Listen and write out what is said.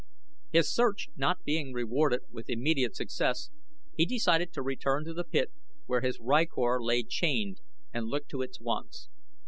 His search not being rewarded with immediate success, he decided to return to the pit where his rykor lay chained and look to its wants.